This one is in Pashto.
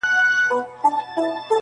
نه یې زړه له شکایت څخه سړیږي -